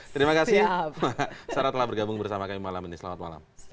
terima kasih pak sarah telah bergabung bersama kami malam ini selamat malam